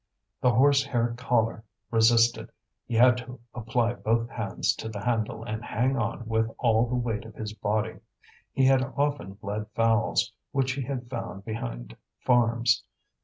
The horse hair collar resisted; he had to apply both hands to the handle and hang on with all the weight of his body. He had often bled fowls which he had found behind farms.